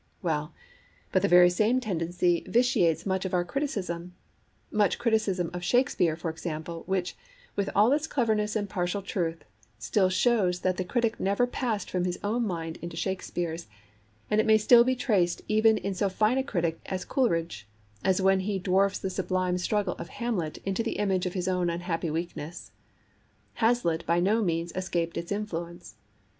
Well, but the very same tendency vitiates much of our criticism, much criticism of Shakespeare, for example, which, with all its cleverness and partial truth, still shows that the critic never passed from his own mind into Shakespeare's; and it may still be traced even in so fine a critic as Coleridge, as when he dwarfs the sublime struggle of Hamlet into the image of his own unhappy weakness. Hazlitt by no means escaped its influence.